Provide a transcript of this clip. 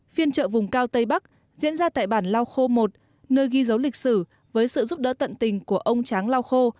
phiên chợ vùng cao tây bắc diễn ra tại bản lao khô một nơi ghi dấu lịch sử với sự giúp đỡ tận tình của ông tráng lao khô